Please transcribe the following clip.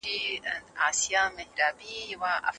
راهنمایي ورکول د ماشومانو د پلار یوه مهمه دنده ده.